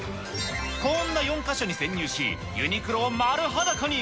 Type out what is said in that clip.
こんな４か所に潜入し、ユニクロを丸裸に。